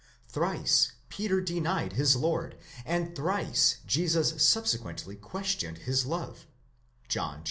thrice Peter denied his Lord, and thrice Jesus subsequently questioned his love (John xxi.).